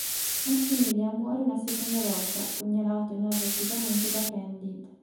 Maximilian muore una seconda volta, pugnalato inavvertitamente da Candide.